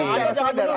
itu secara sadar